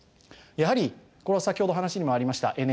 やはり先ほど話にもありました